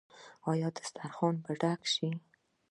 آیا دسترخان به ډک شي؟